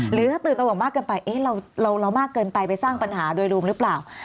หรือถ้าตื่นตระห่วงมากเกินไปเรามากเกินไปไปสร้างปัญหาโดยรวมหรือเปล่า